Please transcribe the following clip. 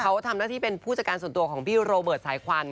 เขาทำหน้าที่เป็นผู้จัดการส่วนตัวของพี่โรเบิร์ตสายควัน